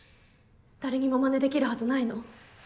誰にも真似できるはずないの。